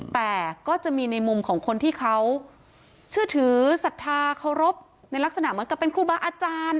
แต่ก็จะมีในมุมของคนที่เขาเชื่อถือศรัทธาเคารพในลักษณะเหมือนกับเป็นครูบาอาจารย์